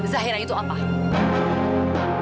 zahira itu mencari saya